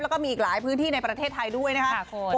แล้วก็มีอีกหลายพื้นที่ในประเทศไทยด้วยนะครับ